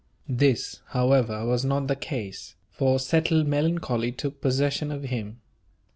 This, however, was not the case, for settled melancholy took possession of him.